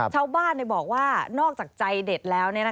ชาวบ้านบอกว่านอกจากใจเด็ดแล้ว